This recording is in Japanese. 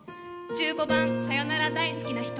１５番「さよなら大好きな人」。